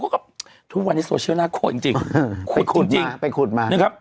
เขาก็ทุกวันที่โซเชียลน่าโคตรจริงไปขุดมา